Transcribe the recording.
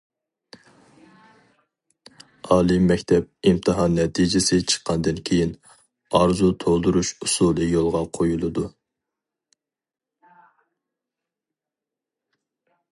ئالىي مەكتەپ ئىمتىھان نەتىجىسى چىققاندىن كېيىن، ئارزۇ تولدۇرۇش ئۇسۇلى يولغا قويۇلىدۇ.